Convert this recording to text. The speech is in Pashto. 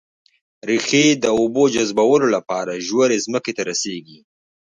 ريښې د اوبو جذبولو لپاره ژورې ځمکې ته رسېږي